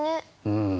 うん。